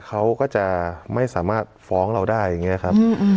เขาก็จะไม่สามารถฟ้องเราได้อย่างนี้ครับ